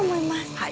はい。